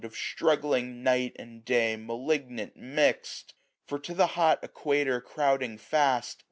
Of struggling night and day malignant mix'd ! For to the hot equator crouding fast.